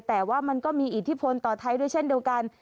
แต่ว่ามันก็มีอิทธิพลต่อไทยด้วยเช่นเดียวกัน